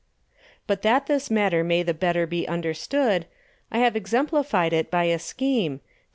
But that this Matter may the better be understood, I have exemplified it by a Scheme, (_Tab.